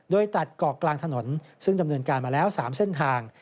โดยตัดเกาะกลางถนนซึ่งดำเนินการมาแล้ว๓เส้นทาง